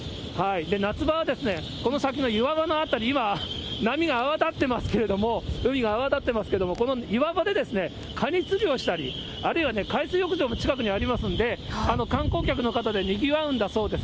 夏場はこの先の岩場の辺り、今、波が泡立ってますけども、海が泡立っていますけれども、この岩場でカニ釣りをしたり、あるいは海水浴場も近くにありますんで、観光客の方でにぎわうんだそうです。